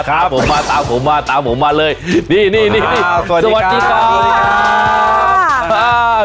ครับตามผมมาตามผมมาตามผมมาเลยนี่นี่นี่สวัสดีครับสวัสดีครับ